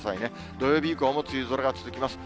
土曜日以降も梅雨空が続きますね。